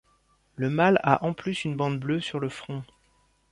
Le mâle a en plus une bande bleue sur le front.